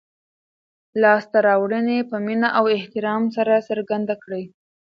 لاسته راوړنې په مینه او احترام سره څرګندې کړئ.